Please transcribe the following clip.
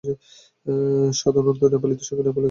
সদানন্দ নেপালীদের সঙ্গে নেপালে গেছে।